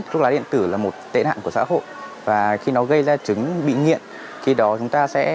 thuốc lá điện tử là một tệ nạn của xã hội và khi nó gây ra chứng bị nghiện